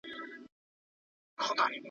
په پلي مزل کې د سترګو دید نه کمېږي.